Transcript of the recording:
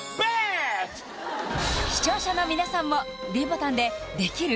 視聴者の皆さんもｄボタンでできる？